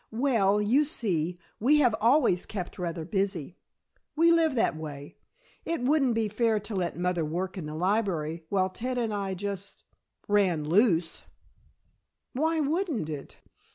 "Well, you see, we have always kept rather busy. We live that way. It wouldn't be fair to let mother work in the library while Ted and I just ran loose " "Why wouldn't it?"